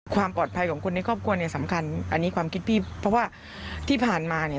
ความปลอดภัยของคนในครอบครัวเนี่ยสำคัญอันนี้ความคิดพี่เพราะว่าที่ผ่านมาเนี่ย